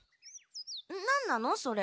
何なのそれ？